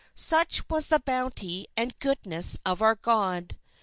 "Such was the bounty and goodness of our God!